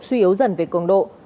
tuy yếu dần về cường độ